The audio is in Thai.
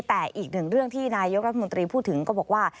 แต่อีกหนึ่งเรื่องที่นายกรัฐมนตรีพูดถึงก็บอกว่า